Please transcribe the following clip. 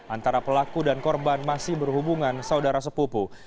antara pelaku dan korban masih berhubungan saudara sepupu